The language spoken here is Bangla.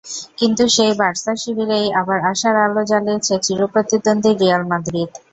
কিন্তু সেই বার্সা শিবিরেই আবার আশার আলো জ্বালিয়েছে চিরপ্রতিদ্বন্দ্বী রিয়াল মাদ্রিদ।